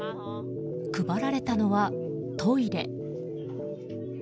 配られたのは、トイレ。